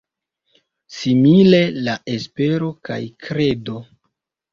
Simile la Espero kaj kredo.